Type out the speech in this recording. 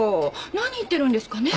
何言ってるんですかね